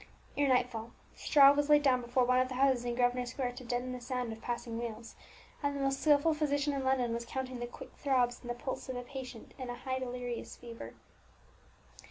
Ere nightfall straw was laid down before one of the houses in Grosvenor Square to deaden the sound of passing wheels, and the most skilful physician in London was counting the quick throbs in the pulse of a patient in a high delirious fever.